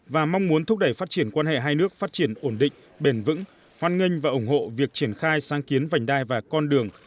và mong muốn thúc đẩy phát triển quan hệ hai nước phát triển ổn định bền vững hoan nghênh và ủng hộ việc triển khai sáng kiến vành đai và con đường